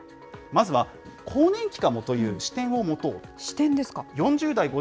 まずは更年期かもという視点を持視点ですか。